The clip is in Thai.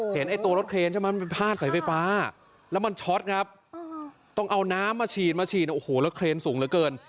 ไอ้ตัวรถเครนใช่ไหมมันพาดสายไฟฟ้าแล้วมันช็อตครับต้องเอาน้ำมาฉีดมาฉีดโอ้โหแล้วเครนสูงเหลือเกิน